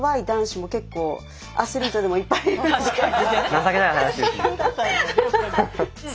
情けない話です。